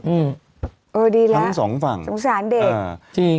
อืมเออดีแล้วทั้งสองฝั่งสงสารเด็กอ่าจริง